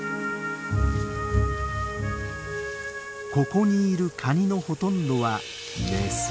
ここにいるカニのほとんどはメス。